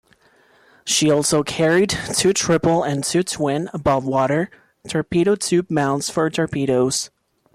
She also carried two triple and two twin, above-water, torpedo tube mounts for torpedoes.